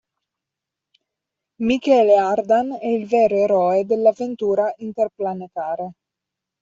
Michele Ardan è il vero eroe dell'avventura interplanetare.